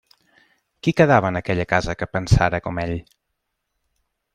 Qui quedava en aquella casa que pensara com ell?